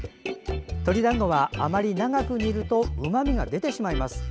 鶏だんごは、あまり長く煮るとうまみが出てしまいます。